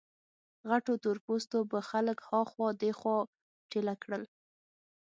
غټو تور پوستو به خلک ها خوا دې خوا ټېله کړل.